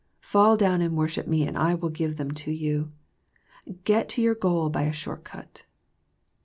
Fall down and worship me and I will give them to you. Get to your goal by a short cut."